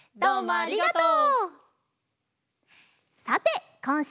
ありがとう。